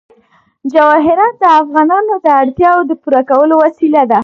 جواهرات د افغانانو د اړتیاوو د پوره کولو وسیله ده.